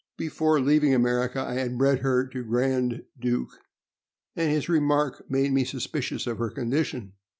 Before leaving America I had bred her to Grand Duke, and his remark made me suspicious of her condition.